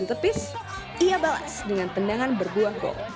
dan di tepis ia balas dengan tendangan berbuah gol